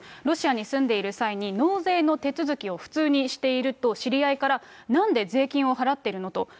ロシアに住んでいる際に、納税の手続きを普通にしていると知り合いからなんで税金を払ってるの？と。